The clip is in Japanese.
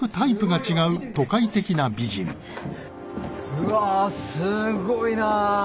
うわぁすごいな！